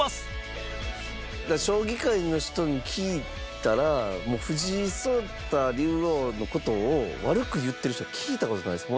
将棋界の人に聞いたら藤井聡太竜王の事を悪く言ってる人は聞いた事ないです。